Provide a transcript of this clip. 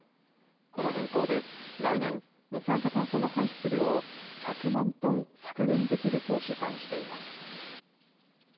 この変更で来年、二酸化炭素の排出量を１００万トン削減できると試算しています。